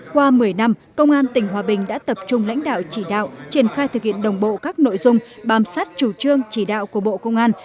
qua một mươi năm công an tỉnh hòa bình đã tập trung lãnh đạo chỉ đạo triển khai thực hiện đồng bộ các nội dung bám sát chủ trương chỉ đạo của bộ công an